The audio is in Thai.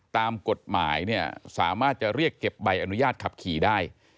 ตามกฎหมายเนี่ยสามารถจะเรียกเก็บใบอนุญาตขับขี่ได้